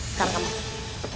sekarang kamu masuk